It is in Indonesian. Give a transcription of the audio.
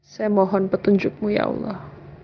saya mohon petunjukmu ya allah